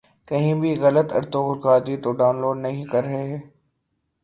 کہیں بھی غلط ارطغرل غازی تو ڈان لوڈ نہیں کر رہے